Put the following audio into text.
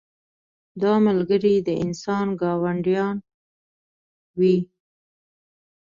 دا ملګري د انسان ګاونډیان وي.